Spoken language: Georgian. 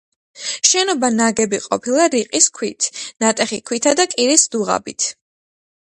შენობა ნაგები ყოფილა რიყის ქვით, ნატეხი ქვითა და კირის დუღაბით.